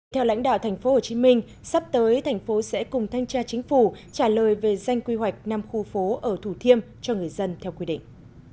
theo lãnh đạo tp hcm sắp tới thành phố sẽ cùng thanh tra chính phủ trả lời về danh quy hoạch năm khu phố ở thủ thiêm cho người dân theo quy định